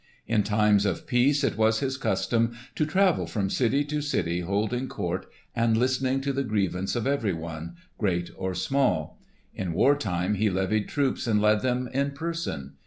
In times of peace it was his custom to travel from city to city holding court and listening to the grievance of everyone, great or small. In war time, he levied troops and led them in person.